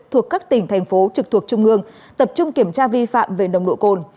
thuộc các tỉnh thành phố trực thuộc trung ương tập trung kiểm tra vi phạm về nồng độ cồn